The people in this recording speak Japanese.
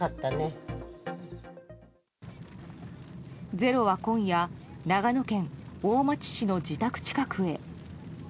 「ｚｅｒｏ」は今夜長野県大町市の自宅近くへ。